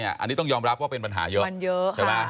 อันนี้ต้องยอมรับว่าเป็นปัญหาเยอะ